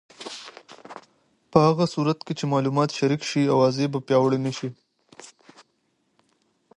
په هغه صورت کې چې معلومات شریک شي، اوازې به پیاوړې نه شي.